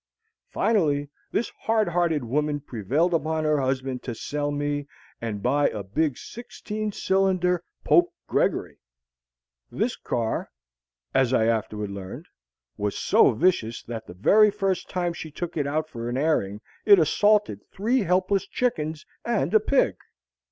Finally, this hard hearted woman prevailed upon her husband to sell me and buy a big sixteen cylinder Pope Gregory. This car, as I afterward learned, was so vicious that the very first time she took it out for an airing it assaulted three helpless chickens and a pig.